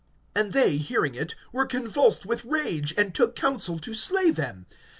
(33)And they, hearing it, were convulsed with rage, and took counsel to slay them.